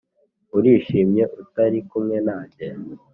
urishimye utari kumwe nanjye